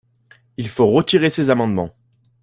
Il faut retirer ces amendements